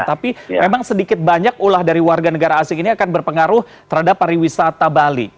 tapi memang sedikit banyak ulah dari warga negara asing ini akan berpengaruh terhadap pariwisata bali